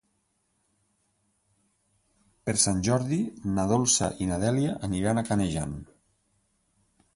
Per Sant Jordi na Dolça i na Dèlia aniran a Canejan.